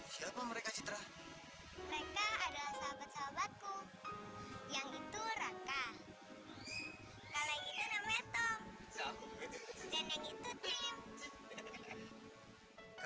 siapa mereka citra mereka adalah sahabat sahabatku yang itu raka